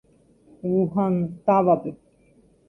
Wuhan távape.